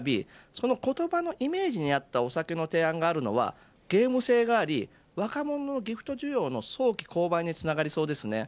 その言葉のイメージに合ったお酒の提案があるのはゲーム性があり若者のギフト需要への早期購買につながりそうですね。